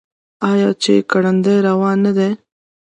آیا چې ګړندی روان نه دی؟